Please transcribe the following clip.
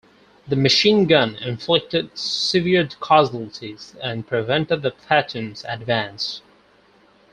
The machine gun inflicted severe casualties and prevented the platoon's advance.